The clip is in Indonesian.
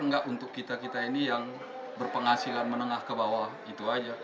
enggak untuk kita kita ini yang berpenghasilan menengah ke bawah itu aja